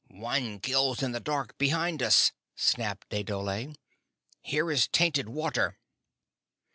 "One kills in the dark behind us!" snapped a dhole. "Here is tainted water."